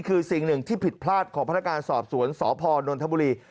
คือสิ่งหนึ่งที่ผิดพลาดของพนักงานสอบสวนสพนนทบุรี